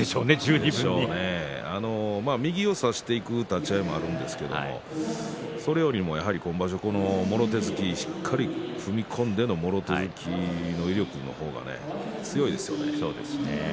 右を差していく立ち合いもあるんですがそれよりもやはり今場所のもろ手突きしっかり踏み込んでのもろ手突きの威力の方が強いですよね。